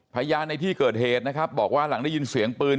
พยายามในที่เกิดเหตุบอกว่าหลังได้ยินเสียงปืน